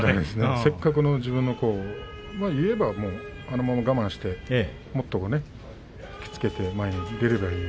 せっかくの自分の、言えばあのまま我慢してもっと引き付けて前に出ればいいのに。